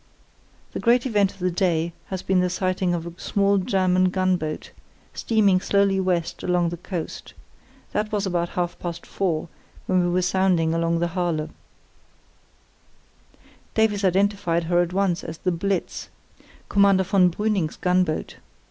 "The great event of the day has been the sighting of a small German gunboat, steaming slowly west along the coast. That was about half past four, when we were sounding along the Harle. "Davies identified her at once as the Blitz, Commander von Brüning's gunboat.